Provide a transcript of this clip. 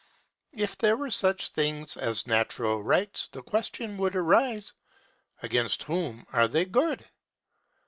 If there were such things as natural rights, the question would arise, Against whom are they good?